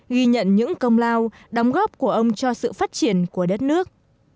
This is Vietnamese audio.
ghi nhận những công lao đóng góp của ông cho sự phát triển của đất nước